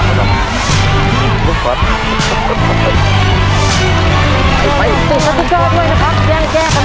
หนึ่งทวงผ่านไปแล้วนะครับทุกคนครับ